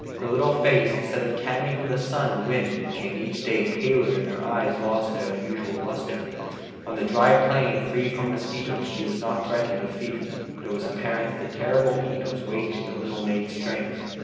Her little face, instead of tanning from the sun and wind, became each day paler and her eyes lost their usual luster. On the dry plain, free from mosquitoes, she was not threatened with fever, but it was apparent that the terrible heat was wasting the little maid's strength.